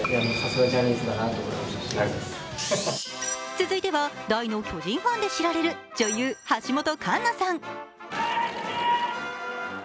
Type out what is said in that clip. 続いては、大の巨人ファンで知られる女優・橋本環奈さん。